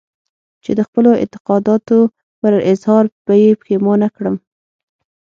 چې د خپلو اعتقاداتو پر اظهار به يې پښېمانه کړم.